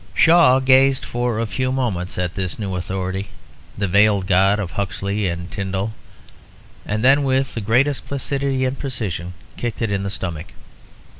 Shaw gazed for a few moments at this new authority, the veiled god of Huxley and Tyndall, and then with the greatest placidity and precision kicked it in the stomach.